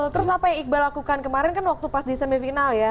terus apa yang iqbal lakukan kemarin kan waktu pas di semifinal ya